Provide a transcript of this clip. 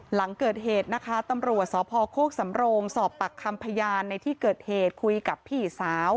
หลังเกิดเหตุนะคะตำรวจสพโคกสำโรงสอบปากคำพยานในที่เกิดเหตุคุยกับพี่สาว